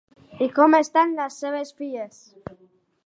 I com estan les seves filles?